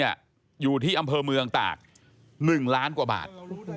อยู่ที่อำเภอเมืองตาก๑ล้านกว่าบาท